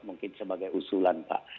mungkin sebagai usulan pak